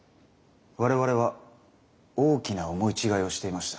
我々は大きな思い違いをしていました。